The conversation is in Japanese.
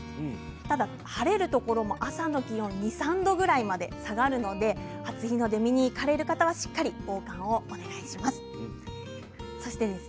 ただ晴れるところも朝の気温２度３度まで下がるので初日の出を見に行かれる方はしっかり防寒をお願いします。